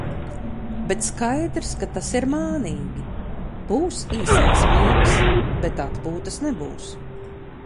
Bet skaidrs, ka tas ir mānīgi. Būs īsais miegs, bet atpūta nebūs.